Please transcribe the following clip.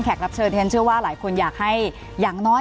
แขกรับเชิญเท่าที่ว่าหลายคนอยากให้อย่างน้อย